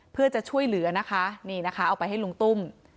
เพื่อจะช่วยเหลือนะคะนี่นะคะเอาไปให้ลุงตุ้ม